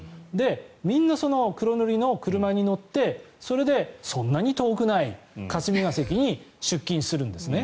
みんなその黒塗りの車に乗ってそれで、そんなに遠くない霞が関に出勤するんですね。